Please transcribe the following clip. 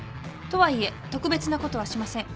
とはいえ特別なことはしません。